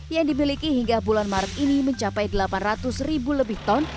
yang dimiliki hingga bulan maret ini mencapai delapan ratus ribu lebih ton